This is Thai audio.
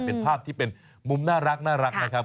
เป็นภาพที่เป็นมุมน่ารักนะครับ